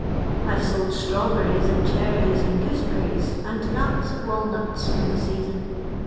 I've sold atfawberries, and cherries, and goose bsrriai^ and nnts and walnuts in the season.